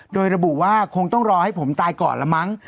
โดยระบุว่าคงต้องรอให้ผมตายก่อนละมั้ง